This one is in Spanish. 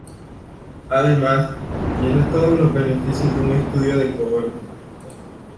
Además, tiene todos los beneficios de un estudio de cohorte.